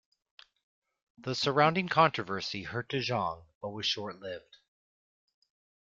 The surrounding controversy hurt De Jong but was short-lived.